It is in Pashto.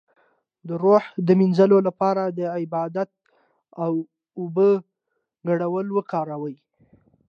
د روح د مینځلو لپاره د عبادت او اوبو ګډول وکاروئ